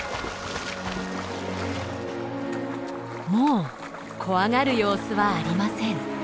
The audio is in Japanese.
もう怖がる様子はありません。